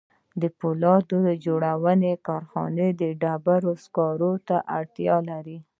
د پولاد جوړونې کارخانه د ډبرو سکارو ته اړتیا لري